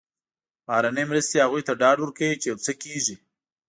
بهرنۍ مرستې هغوی ته ډاډ ورکوي چې یو څه کېږي.